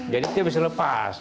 jadi dia bisa lepas